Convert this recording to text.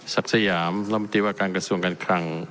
สยามรัฐมนตรีว่าการกระทรวงการคลัง